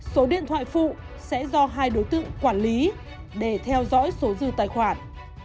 số điện thoại phụ sẽ do hai đối tượng quản lý để theo dõi số dư tài khoản